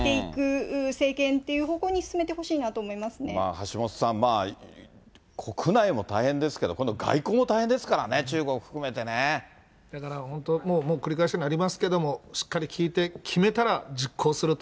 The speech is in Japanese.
橋下さん、国内も大変ですけど、今度、外交も大変ですからね、だから本当、もう繰り返しになりますけども、しっかり聞いて、決めたら実行すると。